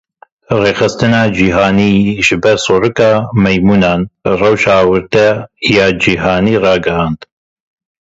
Rêxistina cîhanî ji ber Sorika Meymûnan rewşa awarte ya cîhanî ragihand.